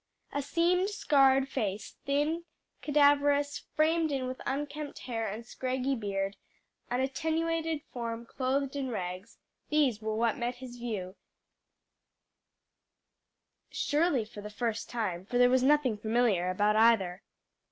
A seamed, scarred face, thin, cadaverous, framed in with unkempt hair and scraggy beard an attenuated form clothed in rags these were what met his view, surely for the first time, for there was nothing familiar about either.